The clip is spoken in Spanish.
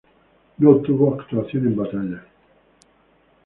No tuvo actuación en batalla.